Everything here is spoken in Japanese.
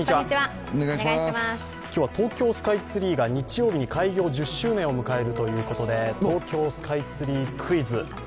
今日は東京スカイツリーが日曜日に開業１０周年を迎えるということで東京スカイツリークイズ。